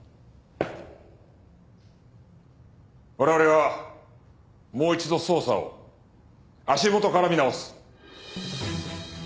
我々はもう一度捜査を足元から見直す。